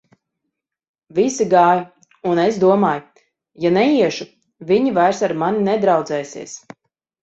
Visi gāja, un es domāju: ja neiešu, viņi vairs ar mani nedraudzēsies.